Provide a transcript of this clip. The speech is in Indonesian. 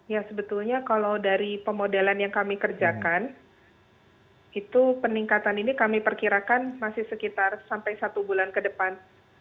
ya sebetulnya kalau dari pemodelan yang kami kerjakan itu peningkatan ini kami perkirakan masih sekitar sampai satu bulan ke depan